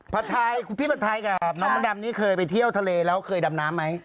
ไทยคุณพี่ผัดไทยกับน้องมดดำนี่เคยไปเที่ยวทะเลแล้วเคยดำน้ำไหม